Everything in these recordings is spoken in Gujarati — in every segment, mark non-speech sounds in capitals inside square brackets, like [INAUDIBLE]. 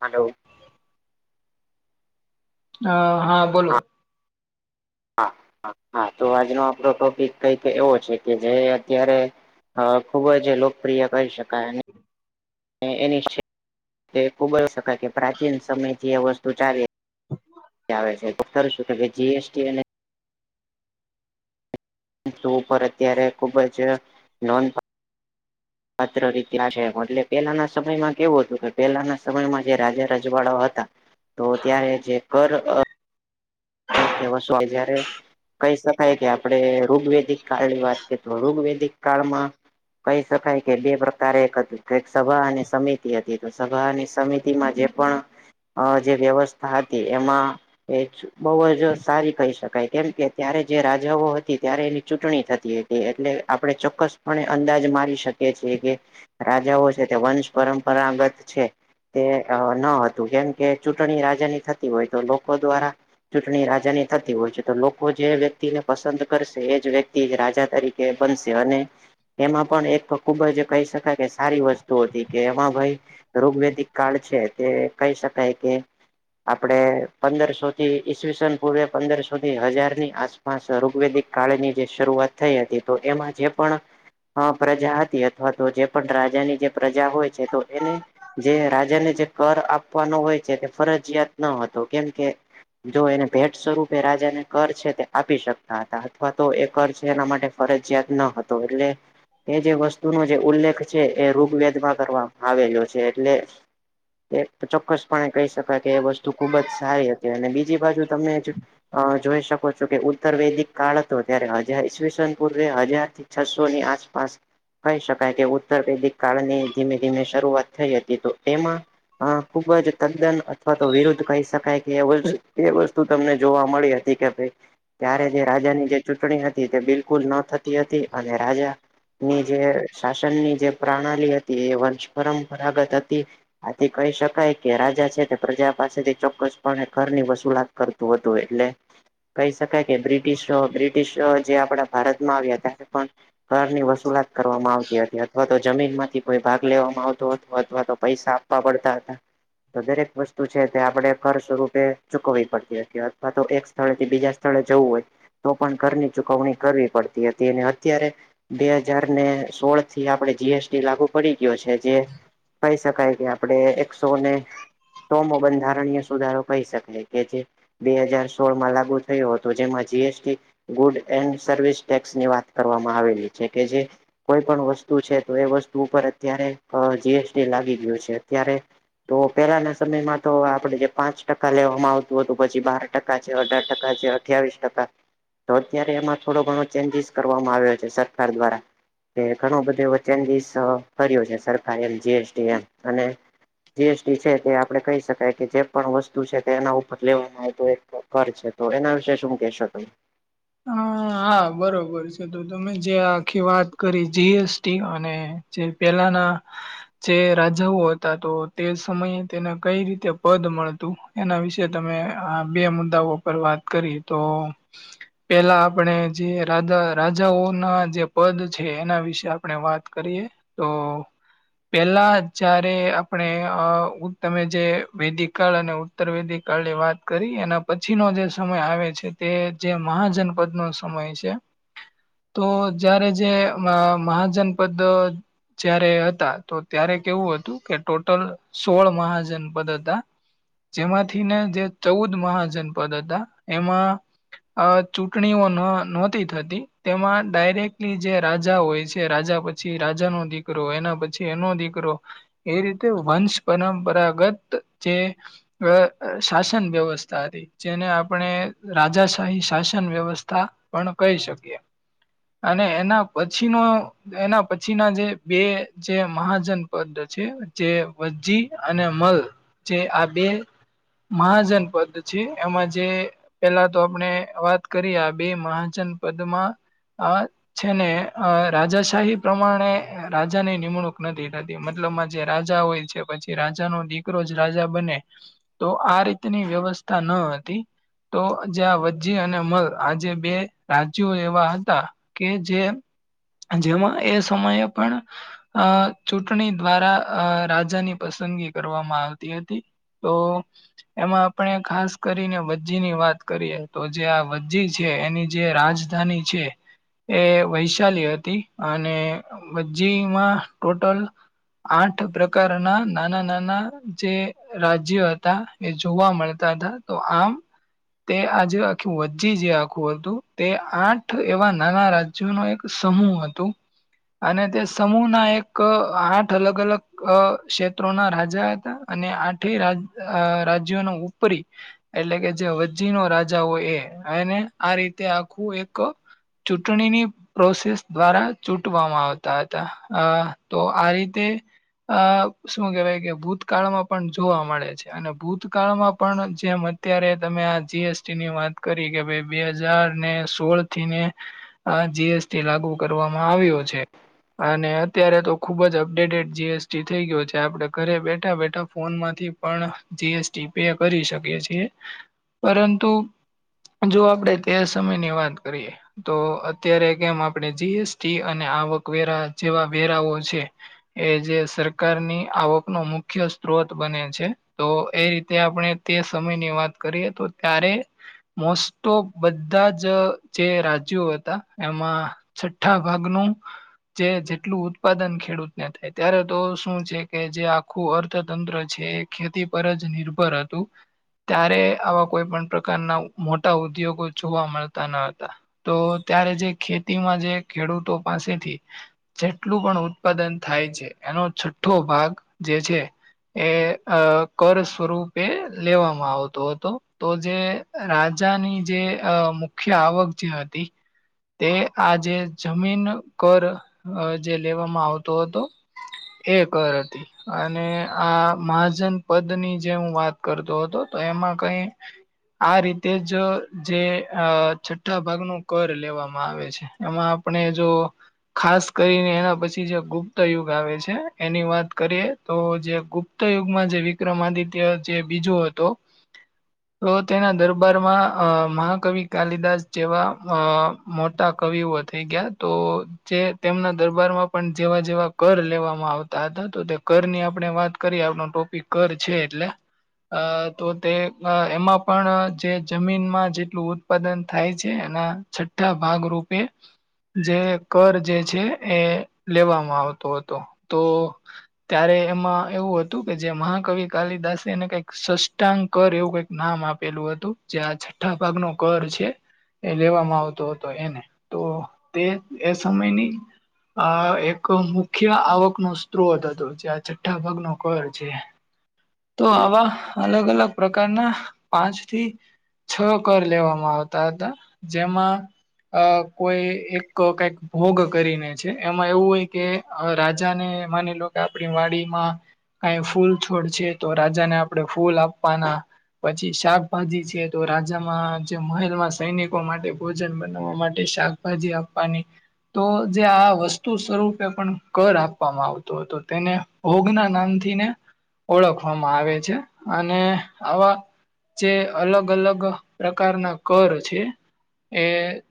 હલો અ હા બોલો હા હા તો આજનો આપડો ટોપિક કઈક એવો છે કે મેં અત્યારે અ ખૂબ જ લોકપ્રિય કહી શકાયને એની તે ખુબર શકાય કે પ્રાચીન સમય થી એ વસ્તુ ચાલે તી આવે છે તો ખરું શું કે ભાઈ જીએસટી અને તો ઉપર અત્યારે ખુબ જ નોંધ પાત્ર રીતે આ છે એ એટલે પહેલાના સમયમાં કેવું હતું કે પહેલાના સમયમાં જે રાજા રજવાડા હતા તો ત્યારે જે કર અ [UNINTELLIGIBLE] જયારે કહી શકાય કે આપડણે ઋગવેદિક કાળની વાત કરીએ તો ઋગવેેદિક કાળમાં કહી શકાય કે બે પ્રકારે એક હતું કક સભા અને સમિતિ હતી તો સભા અને સમિતિમાં જે પણ અ જે વ્યવસ્થા હતી એમાં બહુ જ સારી કહી શકાય કેમ કે ત્યારે જે રાજાઓ હતી ત્યારે એની ચૂંટણી થતી હતી એટલે આપણે ચોક્કસપણે અંદાજ મારી શકીએ છીએ કે રાજાઓ છે તે વંશ પરંપરાગત છે તે ન હતું કેમ કે ચૂંટણી રાજાની થતી હોય તો લોકો દ્વારા ચૂંટણી રાજાની થતી હોય છે તો લોકો જે વ્યક્તિને પસંદ કરશે એજ વ્યક્તિ એજ રાજા તરીકે બનશે અને એમાં પણ એક ખુબ જ કહી શકાય કે સારી વસ્તુ હતી કે એમાં ભાઈ ઋગ્વેદિક કાળ છે તે કહી શકાય કે આપણે પંદરસોથી ઈસવીસન પૂર્વે પંદરસો થી હજાર ની આસપાસ ઋગ્વેદિક કાળ ની જે શરૂઆત થઈ હતી તો એમાં જે પણ હ પ્રજા હતી અથવા તો જે પણ રાજાની જે પ્રજા હોય છે તો એને જે રાજાને જે કર આપવાનો હોય છે તે ફરજિયાત ન હતો કેમકે જો એને ભેટ સ્વરૂપે રાજાને કર છે તે આપી શકતા હતા અથવા તો એ કર છે એના માટે ફરજિયાત ન હતો એટલે એ જે વસ્તુનો જે ઉલ્લેખ છે એ ઋગવેદમાં કરવામાં આવેલો છે એટલે તે ચોક્કસપણે કહી શકાય કે એ વસ્તુ ખુબ જ સારી હતી અને બીજી બાજુ તમે જ અ જોઈ શકો છો કે ઉત્તર વૈદિક કાળ હતો ત્યારે હજા થી ઈવીસન પૂર્વે હજારથી છસો ની આસપાસ કહી શકાય કે ઉત્તરપેદી કાળની ધીમે ધીમે શરૂઆત થઈ હતી તો તેમાં હા ખુબ જ તદ્દન અથવા તો વિરુદ્ધ કહી શકાય કે એ વસ્તુ તમને જોવા મળી હ તી કે ભ ત્યારે જે રાજાની જે ચૂંટણી હતી તે બિલકુલ ન થતી હતી અને રાજા ની જે રાજાની શાસન ની જે પ્રણાલી હતી એ વર્ષ પરંપરાગત હતી આથી કહી શકાય કે રાજા છે તે પ્રજા પાસેથી ચોક્કસ પણ ઘર ની વસુલાત કરતું હતું એટલે કહી શકાય કે બ્રિટિશો બ્રિટશ જે આપડા ભારતમાં આવ્યા ત્યારે પણ ઘર ની વસૂલાત કરવામાં આવતી હતી અથવા તો જમીન માંથી કોઈ ભાગ લેવામાં આવતો હતો અથવા તો પૈસા પડતા હતા તો દરેક વસ્તુ છે તે આપણે કર્જ સ્વરૂપે ચૂકવી પડતી હતી અથવા તો એક સ્થળેથી બીજા સ્થળે જવું હોય તો પણ ઘરની ચુકવણી કરવી પડતી હતી અને અત્યારે બે હજાર ને સોળ થી આપણે જીએસટી લાગુ પડી ગયો છે જે કહી શકાય કે આપડે એકસોને સોમો બંધારણ સુધારો કહી શકાય કે જે બે હજાર સોળમાં લાગુ થયો હતો જેમાં GST good and service tax ની વાત કરવામાં આવેલી છે કે જે કોઈ પણ વસ્તુ છે તો એ વસ્તુ ઉપર અત્યારે જીએસટી લાગી ગયું છે અત્યારે તો પેલાના સમયમાં તો આપણેે પાંચ ટકા લેવામાં આવતું હતું પછી બાર ટકા છે અઢાર ટકા છે અઠ્ઠાવીસ ટકા તો અત્યારે એમાં થોડો ઘણો ચેન્જીસ કરવામાં આવ્યો છે સરકાર દ્વારા કે ઘણું બધું એ ચેન્જીસ કર્યો છે સરકારે એમ જીએસટી એ અને જીએસટી છે તે આપડે કહી શકાય કે જે પણ વસ્તુ છે કે એના ઉપર લેવામાં આવ એક કર છે તો એના વિશે શું કેહેશો તમે હા હા બરોબર છે તો તમે જે આખી વાત કરી જીએસટી અને જે પેલાના જે રાજાઓ હતા તો તે સમયે તેને કઈ રીતે પદ મળતું એના વિશે તમે આ બે મુદ્દાઓ પર વાત કરી તો પેલા આપણે જે રાજા રાજાઓ ના જે પદ છે એના વિશે આપણે વાત કરીએ તો પેલા જયારે આપણે અ તમે જે વેદિક કાળ અને ઉત્તરર્વેદીક કાળ ની વાત કરી એના પછીનો જે સમય આવે છે તે જે મહાજનપદ નો સમય છે તો જયારે જે મહાજનપદ જયારે હતા તો ત્યારે કેવું હતું કે ટોટલ સોળ મહાજનપદ હતા જેમાંથીને જે ચૌદ મહાજનપદ હતા એમાં અ ચૂંટણીઓ ન નહોતી થતી તેમાં ડાયરેક્ટલી જે રાજા હોય છે રાજા બ પછી રાજા નો દીકરો એના પછી એનો દીકરો એ રીતે વંશ પરંપરાગત જે અ શાસન વ્યવસ્થા હતી જેને આપણે રાજા સાહી શાસન વ્યવસ્થા પણ કહી શકીએ અને એના પછીનો એના પછી ના જે બે જે મહાજનપદ છે જે વજી અને મલ જે આ બે મહાજનપદ છે એમાં જે પેલા તો આપણે વાત કરીએ આ બે મહાજન પદમાં અ છે ને અ રાજાશાહી પ્રમાણે રાજા ની નિમણૂક નથી થતી મતલબમાં જે રાજા હોય. પછી રાજા નો દીકરો જ રાજા બને, તો આ રીતની વ્યવસ્થા ન હતી. તો જ્યાં વજી અને મલ આજે બે રાજ્યો એવા હતા, કે જે જેમાં એ સમયે પણ. અ ચૂંટણી દ્વારા રાજાની પસંદગી કરવામાં આવતી હતી. તો, એમાં આપણે ખાસ કરીને વજી ની વાત કરીએ તો જે આ વજી છે એની જે રાજધાની છે. એ વૈશાલી હતી અને વજીમાં ટોટલ. આઠ પ્રકારના નાના નાના જે રાજ્ય હતા એ જોવા મળતા હતા. તો આમ તે આજે આખી વચ્જી જે આખું હતું તે આઠ એવા નાના રાજ જુનો એક સમૂહ હતો અને તે સમૂહ ના એક આઠ અલગ અલગ ક્ષેત્રોના રાજા હતા અને આઠ રા રાજ્યો ન ઉપરી એટલે કે જે નો રાજા હોય એ અને આ રીતે આખું એક ચૂંટણીની પ્રોસેસ દ્વારા ચૂટવામાં આવતા હતા અ તો આ રીતે આ શું કેહેવાય કે ભૂતકાળમાં પણ જોવા મળે છે અને ભૂતકાળમાં પણ જે અત્યારે તમે આ જીએસટી ની વાત કરી કે ભાઈ બે હજાર ને સોળ થી ને આ જીએસટી લાગુ કરવામાં આવ્યો છે. અને અત્યારે તો ખુબ જ અપડેટેડ જીએસટી થઇ ગયો છે આપડે ઘરે બેઠા બેઠા ફોન માંથી પણ જીએસટી પેય કરી શકીએ છીએ પરંતુ જો આપડે તે સમયની વાત કરીએ તો અત્યારે કેમ આપણે જીએસટી અને આવકવેરા જેવા વેરાઓ છે એ જે સરકારની આવકનો મુખ્ય સ્ત્રોત બને છે તો એ રીતે આપણે તે સમયની વાત કરીએ તો ત્યારે મોસ્ટ ઓફ બધા જ જે રાજ્યો હતા એમાં છઠ્ઠા ભાગનું જે જેટલું ઉત્પાદન ખેડૂતને થાય ત્યારે તો શું છે કે જે આખું અર્થતંત્ર છે ખેતી પર જ નિર્ભર હતું ત્યારે આવા કોઈ પણ પ્રકારના મોટા ઉદ્યોગો જોવા મળતા ન હતા તો ત્યારે જે ખેતીમાં જે ખેડૂતો પાસેથી જેટલું પણ ઉત્પાદન થાય છે એનો છઠ્ઠો ભાગ જે છે એ અ કર સ્વરૂપે લેવામાં આવતો હતો તો જે રાજાની જે મુખ્ય આવક જે હતી તે આ જેે જમીન કર જે લેવામાં આવતો હતો એ કર હતી. અને આ મહાજન પદ ની જે હું વાત કરતો હતો તો એમાં કઈ આ રીતે જ જે અ છઠ્ઠા ભાગ નુ કર લેવામાં આવે છે. એમાં આપણે જો ખાસ કરીને એના પછી જે ગુપ્ત યુગ આવે છે એની વાત કરીએ તો જે ગુપ્ત ગુપ્ત યુગમાં જે વિક્રમ આદિત્ય જે બીજો હતો તો તેના દરબારમાં અ મહાકવિ કાલિદાસ જેવા અ મોટા કવિઓ થઈ ગયા તો જે તેમના દરબારમાં પણ જેવા જેવા કર લેવામાં આવતા હતા તો તે કર ની આપણે વાત કરી આપ ટોપિક ઘ છે એટલે, અ તો તે અ એમાં પણ જે જમીનમાં જેટલું ઉત્પાદન થાય છે એના છઠ્ઠા ભાગરૂપે. જે કર જે છે એ લેવામાં આવતો હતો, તો ત્યારે એમાં એવું હતું કે જે મહાકવિ કાલિદાસ એને કઈક સષ્ટાંકર એવું કઈક નામ આપેલું હતું જે આ છઠ્ઠા ભાગ ન કર છે. એ લેવામાં આવતો હતો એને તો તે એ સમયની આ એક મુખ્ય આવક નો સ્ત્રોત હતો જે આ છઠ્ઠા ભાગ નો કર છે તો બિલકુલ આવા અલગ અલગ પ્રકારના પાંચ થી છ કર લેવામાં આવતા હતા જેમાં અ કોઈ એક કઈક ભોગ કરીને છે એમાં એવું હોય કે રાજા ને માની લો કે આપણી વાડીમાં કંઈ ફૂલ છોડ છે તો રાજાને આપણે ફૂલ આપવાના પછી શાકભાજી છે તો રાજામાં જે મહેલમાં સૈનિકો માટે ભોજન બનાવવા માટે શાક ભાજી આપવાની તો જે આ વસ્તુ સ્વરૂપે પણ કર આપવામાં આવતો હતો તેને હોગ ના નામથીને ઓળખવામાં આવે છે અને આવા જે અલગ અલગ પ્રકારના કર છે એ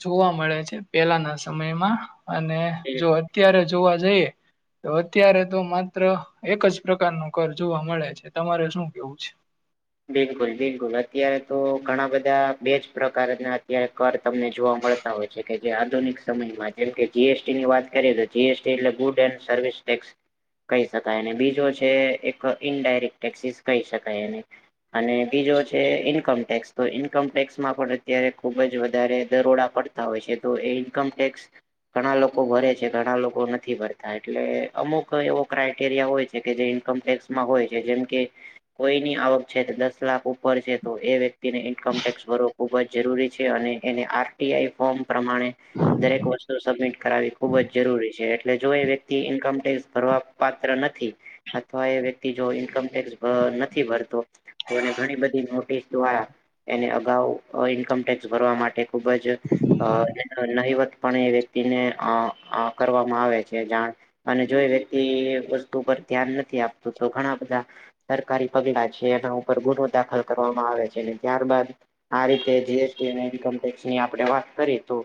જોવા મળે છે પેલાના સમયમાં અને જો અત્યારે જોવા જઈએ તો અત્યારે તો માત્ર એક જ પ્રકારનું કર જોવા મળે છે તમારે શું કેવું છે બિલકુલ બિલકુલ અત્યારે તો ઘણા બધા બેજ પ્રકારના અત્યારે કર તમને જોવા મળે હોય છે કે જે આધુનિક સમયમાં જેમ કે જીએસટી ની વાત કરીએ તો જીએસટી એટલે ગુડ એન્ સર્વિસ ટેક્સ કહી શકાય અને બીજો છે એક ઇનડાયરેક્ટ ટેક્સીિસ કહી શકાય એને અને બીજો છે ઈન્કમ ટેક્સ તો ઈન્કમ ટેક્સમાં પણ અત્યારે ખુબ જ વધારે દરોડા પડતા તા હોય છે તો એ ઇન્કમ ટેક્સ ઘણા લોકો ભરે છે ઘણા લોકો નથી ભરતા એટલે અમુક એવો ક્રાઈટેરિયા હોય છે કે જે ઇન્કમ ટેક્સ મા હોય છે જેમ કે કોઈની આવ છે દસ લાખ ઉપર છે તો એ વ્યક્તિને ઇન્કમ ટેક્સ ભરવો ખુબ જ જરૂરી છે અને એને આ તી આઈ ફોર્મ પ્રમાણે દરેક વસ્તુ સબમિટ કરાવવી ખુબ જ જરૂરી છે એટલે જો એ વ્યક્તિ ઇન્કમ ટેક્સ ભરવા પાત્ર નથી અથવા એ વ્યક્તિ જો ઈન્કમ ટેક્ નથી ભરતો ઘણી બધી નોટિસ દ્વારા એને અગાઉ ઇન્કમ ટેક્સ ભરવા માટે ખુબ જ અ નહીવત પણ એ વ્યક્તિને અ અ કરવામાં આવે છે જાણ અને જો વ્યક્તિ વસ્તુ પર ધ્યાન નથી આપતું તો ઘણા બધા સરકારી પગલા છે એના ઉપર ગુનો દાખલ કરવામાં આવે છે અને ત્યારબાદ આ રીતે જીએસટી અને ઇન્કમ ટેક્સ ની આપણે વાત કરીએ તો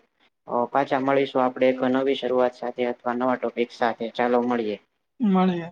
ઓ પાછા મળીશું આપડે એક નવી શરૂઆત સાથે અથવા નવા ટોપિક સાથે ચાલો મળીએ મળીયે